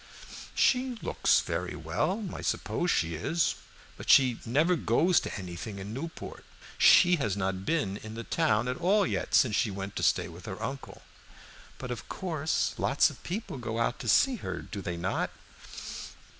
"She looks very well, so I suppose she is. But she never goes to anything in Newport; she has not been in the town at all yet, since she went to stay with her uncle." "But of course lots of people go out to see her, do they not?"